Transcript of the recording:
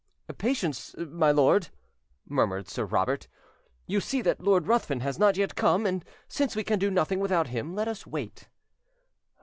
"Patience, my lord," murmured Sir Robert: "you see that Lord Ruthven has not come yet, and since we can do nothing without him, let us wait."